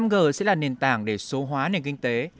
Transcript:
năm g sẽ là nền tảng để số hóa nền kinh tế